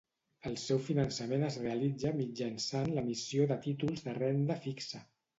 El seu finançament es realitza mitjançant l'emissió de títols de renda fixa.